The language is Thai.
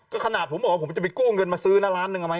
ก็ขนาดผมบอกว่าผมจะไปกู้เงินมาซื้อนะล้านหนึ่งเอาไหม